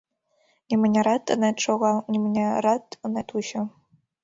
Нимынярат ынет шогал, нимынярат ынет вучо.